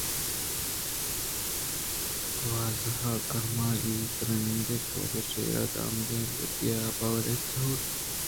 دوزواہ گرماگی تُرٛندیں روچے ءَ شیر ءُ مادگیں لدی ئے آپ ءِ ورگ ءَ چمّگےءَپجّیگ ءَ رستنت